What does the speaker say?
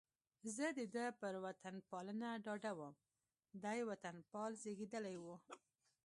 زه د ده پر وطنپالنه ډاډه وم، دی وطنپال زېږېدلی و.